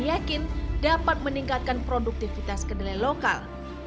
yakin dapat meningkatkan produktivitas kedelai lokal